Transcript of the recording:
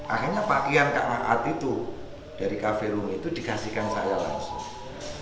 akhirnya pakaian kaa itu dari kafe rumi itu dikasihkan saya langsung